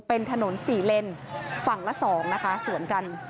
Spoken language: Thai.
เป็นถนนสี่เล่นฝั่งละสองนะคะส่วนกัน